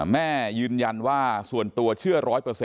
แม่ยืนยันว่าส่วนตัวเชื่อ๑๐๐